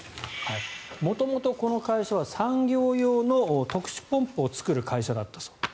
元々、この会社は産業用の特殊ポンプを作る会社だったそう。